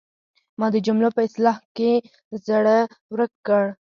ما د جملو په اصلاح کې زړه ورک کړ.